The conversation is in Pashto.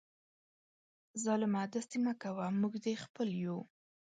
ظالمه داسي مه کوه ، موږ دي خپل یو